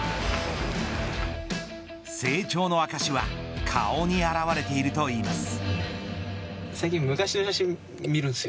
成長の証は顔に表れているといいます。